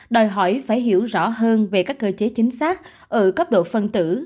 đòi hỏi phải hiểu rõ hơn về các cơ chế chính xác ở cấp độ phân tử